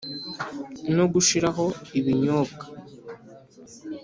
no gushiraho ibinyobwa?